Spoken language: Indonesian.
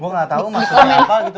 gue gak tau maksudnya apa gitu